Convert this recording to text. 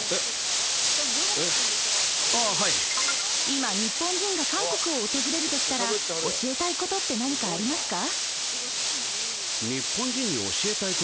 今日本人が韓国を訪れるとしたら教えたいことって何かありますか？